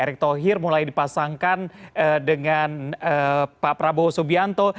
erick thohir mulai dipasangkan dengan pak prabowo subianto